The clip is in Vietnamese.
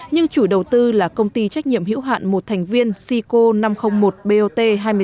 nhưng chủ đầu tư là công ty trách nhiệm hữu hạn một thành viên sico năm trăm linh một bot hai mươi sáu